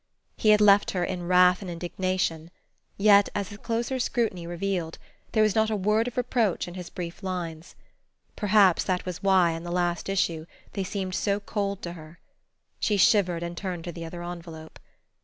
He had left her in wrath and indignation, yet, as a closer scrutiny revealed, there was not a word of reproach in his brief lines. Perhaps that was why, in the last issue, they seemed so cold to her.... She shivered and turned to the other envelope.